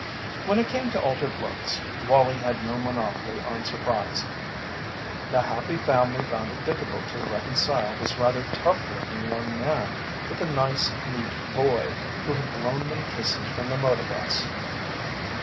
When it came to altered looks, Wallie had no monopoly on surprise. The Happy Family found it difficult to reconcile this rather tough looking young man with the nice, neat boy who had blown them kisses from the motor bus.